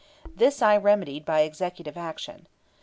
This I remedied by executive action.